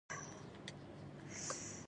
بادرنګ د ذهني تمرکز لپاره مفید دی.